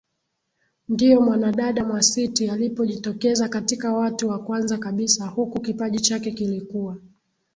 ndio mwanadada Mwasiti alipojitokeza katika watu wa kwanza kabisa huku kipaji chake kilikuwa